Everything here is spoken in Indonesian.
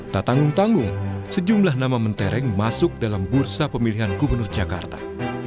tak tanggung tanggung sejumlah nama mentereng masuk dalam bursa pemilihan gubernur jakarta